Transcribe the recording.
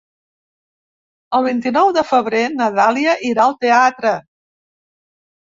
El vint-i-nou de febrer na Dàlia irà al teatre.